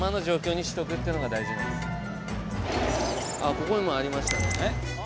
ここにもありましたね。